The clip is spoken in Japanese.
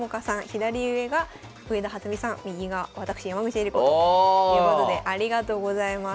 左上が上田初美さん右が私山口恵梨子ということでありがとうございます。